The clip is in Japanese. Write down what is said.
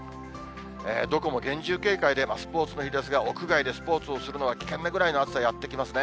どこも厳重警戒で、スポーツの日ですが、屋外でスポーツをするのは危険なぐらいの暑さ、やって来ますね。